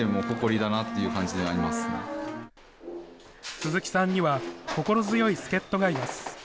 鈴木さんには心強い助っ人がいます。